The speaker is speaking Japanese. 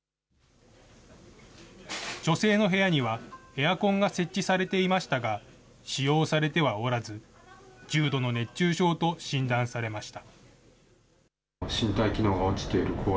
女性の部屋には、エアコンが設置されていましたが、使用されてはおらず、重度の熱中症と診断されました。